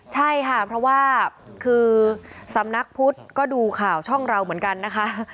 ใช่ค่ะเพราะว่าคือสำนักพุทธก็ดูข่าวช่องเราเหมือนกันนะคะ